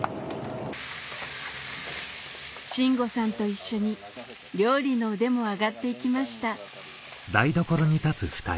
信吾さんと一緒に料理の腕も上がっていきました